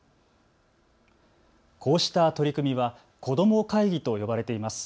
こうした取り組みは子ども会議と呼ばれています。